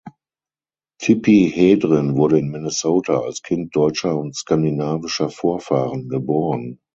Tippi Hedren wurde in Minnesota als Kind deutscher und skandinavischer Vorfahren geboren.